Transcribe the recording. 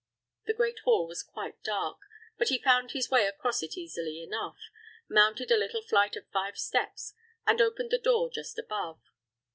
The great hall was quite dark; but he found his way across it easily enough, mounted a little flight of five steps, and opened the door just above.